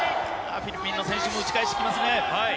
フィリピンの選手も打ち返してきますね。